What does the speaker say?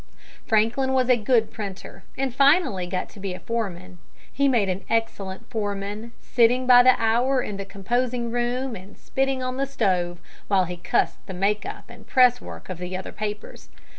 Franklin was a good printer, and finally got to be a foreman. He made an excellent foreman, sitting by the hour in the composing room and spitting on the stove, while he cussed the make up and press work of the other papers.